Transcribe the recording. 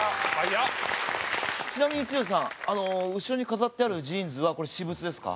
ちなみに剛さんあの後ろに飾ってあるジーンズはこれ私物ですか？